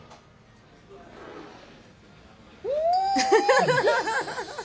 うん！